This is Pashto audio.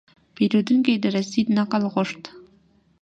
پیرودونکی د رسید نقل غوښت.